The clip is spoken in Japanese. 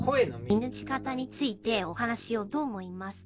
見抜き方についてお話ししようと思います。